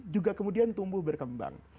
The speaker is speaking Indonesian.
juga kemudian tumbuh berkembang